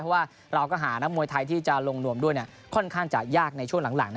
เพราะว่าเราก็หานักมวยไทยที่จะลงนวมด้วยค่อนข้างจะยากในช่วงหลัง